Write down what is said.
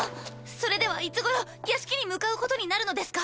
それではいつごろ屋敷に向かうことになるのですか？